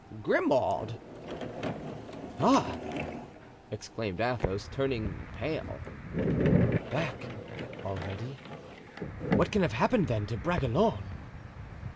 "Grimaud." "Ah!" exclaimed Athos, turning pale. "Back already! What can have happened, then, to Bragelonne?"